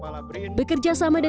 bapak mendistek kepala brindisi